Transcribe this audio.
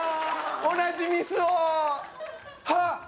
同じミスをはっ！